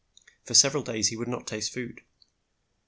For several days he would not taste food.